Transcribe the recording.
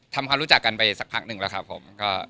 ทำความรู้จักกันไปสักพักหนึ่งแล้วครับผม